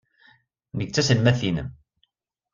Nekk d taselmadt-nnem.